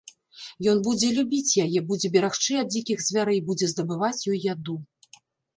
Ён будзе любіць яе, будзе берагчы ад дзікіх звярэй, будзе здабываць ёй яду.